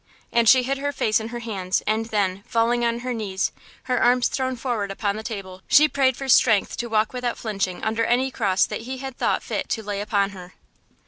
And she hid her face in her hands, and then, falling on her knees, her arms thrown forward upon the table, she prayed for strength to walk without flinching under any cross that He had thought fit to lay upon her.